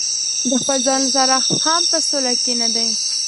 د خپل ځان سره هم په سوله کې نه دي.